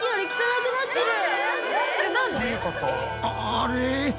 あれ？